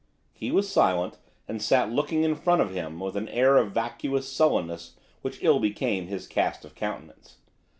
He was silent, and sat looking in front of him with an air of vacuous sullenness which ill became his cast of countenance.